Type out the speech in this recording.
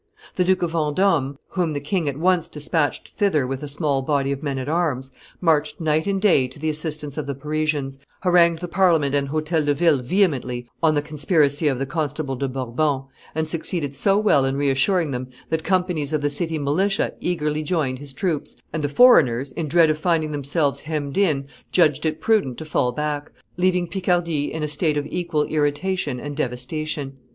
The Duke of Vendome, whom the king at once despatched thither with a small body of men at arms, marched night and day to the assistance of the Parisians, harangued the Parliament and Hotel de Ville vehemently on the conspiracy of the Constable de Bourbon, and succeeded so well in reassuring them that companies of the city militia eagerly joined his troops, and the foreigners, in dread of finding themselves hemmed in, judged it prudent to fall back, leaving Picardy in a state of equal irritation and devastation.